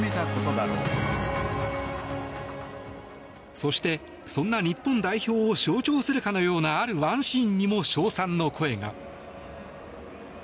そして、そんな日本代表を象徴するかのようなあるワンシーンにも称賛の声が。